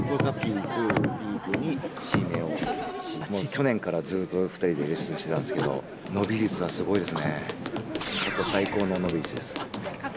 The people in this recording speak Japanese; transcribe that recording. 去年からずっと２人でレッスンしてたんですけど伸び率がすごいですね。